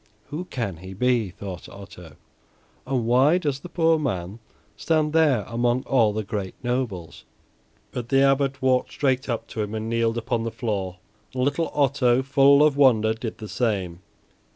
"Who can he be," thought Otto, "and why does the poor man stand there among all the great nobles?" But the Abbot walked straight up to him and kneeled upon the floor, and little Otto, full of wonder, did the same.